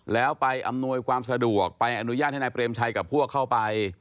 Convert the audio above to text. แล้วไปอำนวยความสะดวกไปอนุญาตให้นายเปรมชัยกับพวกเข้าไป